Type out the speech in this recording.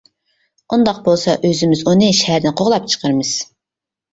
-ئۇنداق بولسا ئۆزىمىز ئۇنى شەھەردىن قوغلاپ چىقىرىمىز.